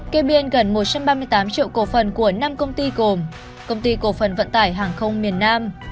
kê biên gần một trăm ba mươi tám triệu cổ phần của năm công ty gồm công ty cổ phần vận tải hàng không miền nam